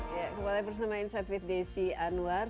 ya kembali bersama insight with desi anwar